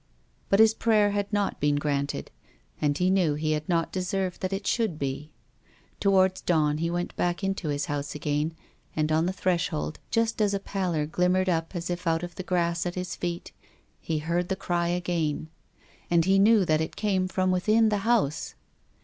But his prayer had not been granted. And he knew he had not deserved that it should be. Towards dawn he went back into his house again, and on the threshold, just as a pallor glimmered up as if out of the grass at THE DEAD CHILD. 187 his feet, he heard the cry again. And he knew that it came from within the house.